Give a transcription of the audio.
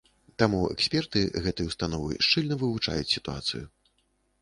Таму эксперты гэтай установы шчыльна вывучаюць сітуацыю.